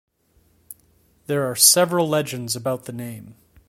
There are several legends about the name.